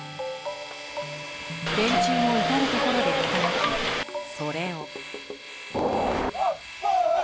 電柱も至るところで傾きそれを。